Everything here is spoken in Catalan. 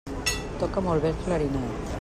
Toca molt bé el clarinet.